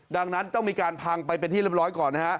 ดังนั้นต้องมีการพังไปเป็นที่เรียบร้อยก่อนนะฮะ